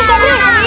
lu buat apa apa